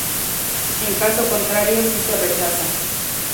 En caso contrario sí se rechaza.